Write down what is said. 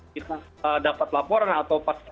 kita dapat laporan atau pasca